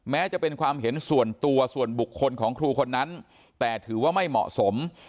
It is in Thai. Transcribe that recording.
แม้จะเป็นความเห็นส่วนตัวส่วนบุคคลของครูคนนั้นแต่ถือว่าไม่เหมาะสม